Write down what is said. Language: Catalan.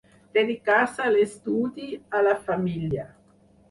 Dedicar-se a l'estudi, a la família.